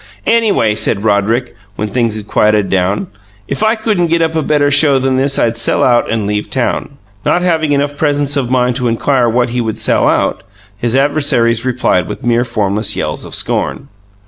"Anyway," said Roderick, when things had quieted down, "if I couldn't get up a better show than this I'd sell out and leave town." Not having enough presence of mind to inquire what he would sell out, his adversaries replied with mere formless yells of scorn.